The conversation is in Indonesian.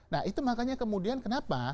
nah itu makanya kemudian kenapa